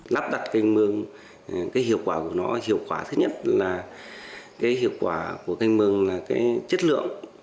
lắp đặt canh mương cái hiệu quả của nó hiệu quả thứ nhất là cái hiệu quả của canh mương là cái chất lượng